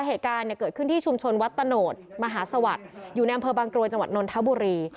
เหตุการณ์เนี่ยเกิดขึ้นที่ชุมชนวัดประโหนดมหาสวรรค์อยู่แนมเพอร์บางกรวยจังหวัดนนทะบุรี